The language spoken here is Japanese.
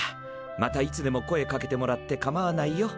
またいつでも声かけてもらってかまわないよ。